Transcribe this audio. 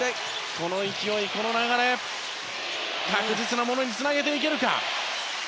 この勢い、この流れ確実なものにつなげられるか。